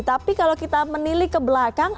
tapi kalau kita menilik ke belakang